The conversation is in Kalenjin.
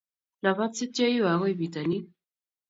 Lapat sityo iwe akoi bitonin